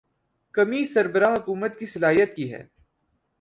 کمی سربراہ حکومت کی صلاحیت کی ہے۔